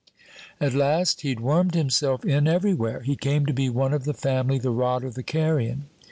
At last, he'd wormed himself in everywhere, he came to be one of the family, the rotter, the carrion.